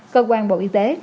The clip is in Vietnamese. cơ quan bộ y tế